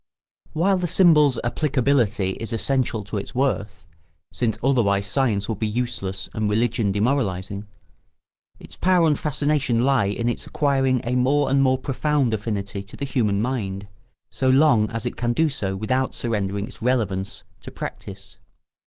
] While the symbol's applicability is essential to its worth—since otherwise science would be useless and religion demoralising—its power and fascination lie in its acquiring a more and more profound affinity to the human mind, so long as it can do so without surrendering its relevance to practice.